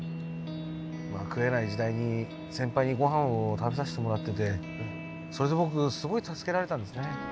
食えない時代に先輩にごはんを食べさせてもらっててそれで僕すごい助けられたんですね。